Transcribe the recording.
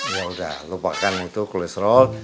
ya udah lupakan itu kolesterol